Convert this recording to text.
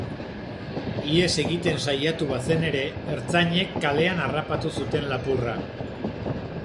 Ihes egiten saiatu bazen ere, ertzainek kalean harrapatu zuten lapurra.